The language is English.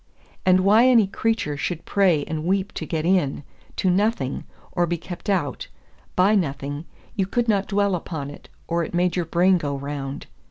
And why any creature should pray and weep to get in to nothing, or be kept out by nothing, you could not dwell upon it, or it made your brain go round.